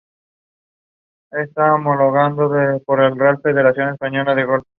Comenzó su aprendizaje como decorador de fachadas y techos.